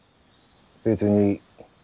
別に。